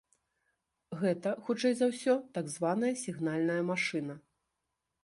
Гэта, хутчэй за ўсё, так званая сігнальная машына.